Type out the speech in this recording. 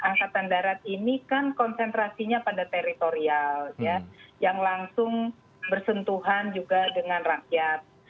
angkatan darat ini kan konsentrasinya pada teritorial yang langsung bersentuhan juga dengan rakyat